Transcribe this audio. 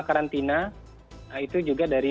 karantina itu juga dari